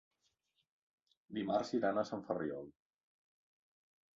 Dimarts iran a Sant Ferriol.